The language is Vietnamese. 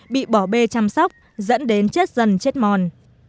bị bỏ bê chăm sóc dẫn đến chết dần chết mòn